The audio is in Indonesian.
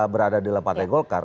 berada dalam partai golkar